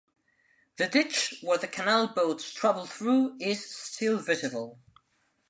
The ditch where the canal boats traveled through is still visible.